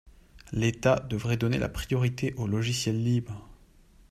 L'état devrait donner la priorité aux logiciels libres.